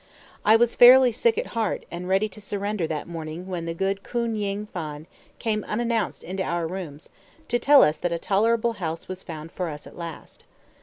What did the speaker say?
I was fairly sick at heart and ready to surrender that morning when the good Koon Ying Phan came unannounced into our rooms to tell us that a tolerable house was found for us at last.